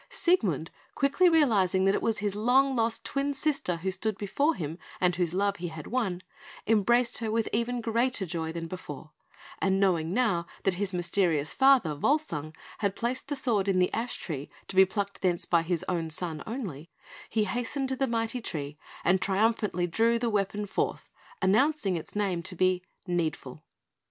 Siegmund, quickly realising that it was his long lost twin sister who stood before him, and whose love he had won, embraced her with even greater joy than before; and knowing now that his mysterious father, Volsung, had placed the sword in the ash tree to be plucked thence by his own son only, he hastened to the mighty tree and triumphantly drew the weapon forth, announcing its name to be "Needful."